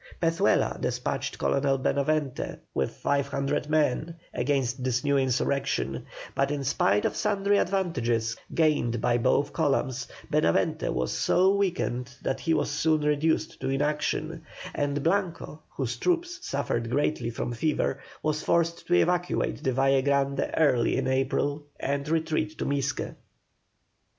Pezuela despatched Colonel Benavente with five hundred men, against this new insurrection; but in spite of sundry advantages gained by both columns, Benavente was so weakened that he was soon reduced to inaction, and Blanco, whose troops suffered greatly from fever, was forced to evacuate the Valle Grande early in April and to retreat to Misque.